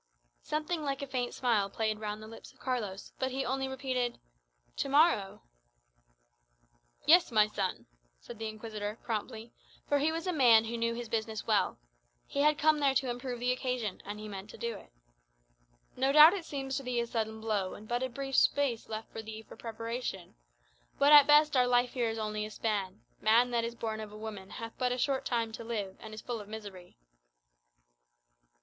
Something like a faint smile played round the lips of Carlos; but he only repeated, "To morrow!" "Yes, my son," said the Inquisitor, promptly; for he was a man who knew his business well. He had come there to improve the occasion; and he meant to do it. "No doubt it seems to thee a sudden blow, and but a brief space left thee for preparation. But, at the best, our life here is only a span; 'Man that is born of a woman hath but a short time to live, and is full of misery.